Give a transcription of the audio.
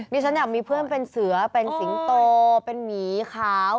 ฉันอยากมีเพื่อนเป็นเสือเป็นสิงโตเป็นหมีขาว